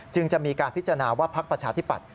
จะมีการพิจารณาว่าพักประชาธิปัตย